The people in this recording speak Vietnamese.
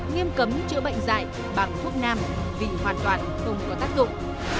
nghiêm cấm chữa bệnh dạy bằng thuốc nam vì hoàn toàn không có tác dụng